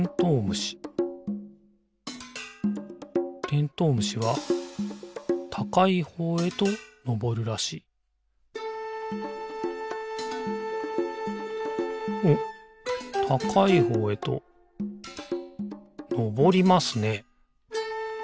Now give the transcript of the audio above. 虫てんとう虫はたかいほうへとのぼるらしいおったかいほうへとのぼりますね。